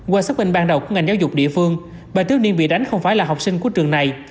qua xác minh ban đầu của ngành giáo dục địa phương bà tiế niên bị đánh không phải là học sinh của trường này